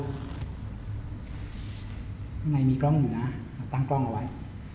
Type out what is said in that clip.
ข้างในมีกล้องอยู่นะตั้งกล้องเอาไว้